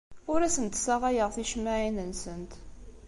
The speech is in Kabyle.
Ur asent-ssaɣayeɣ ticemmaɛin-nsent.